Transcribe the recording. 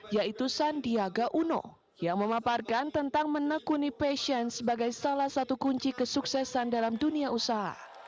yaitu sandiaga uno yang memaparkan tentang menekuni passion sebagai salah satu kunci kesuksesan dalam dunia usaha